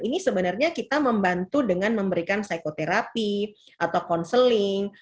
ini sebenarnya kita membantu dengan memberikan psikoterapi atau counseling